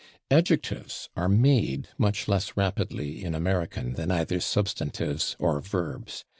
Adjectives are made much less rapidly in American than either substantives or verbs.